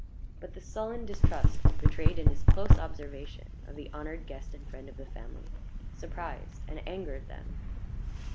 But the sullen distrust betrayed in his close observation of the honored guest and friend of the family surprised and angered them.